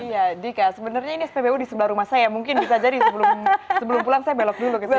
iya dika sebenarnya ini spbu di sebelah rumah saya mungkin bisa jadi sebelum pulang saya belok dulu ke sini